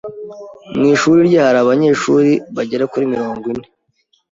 Mu ishuri rye hari abanyeshuri bagera kuri mirongo ine.